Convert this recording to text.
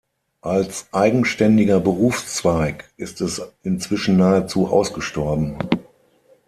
Als eigenständiger Berufszweig ist es inzwischen nahezu ausgestorben.